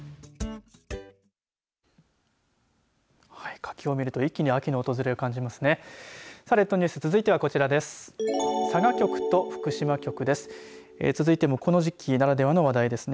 柿を見ると一気に秋の訪れを感じますね。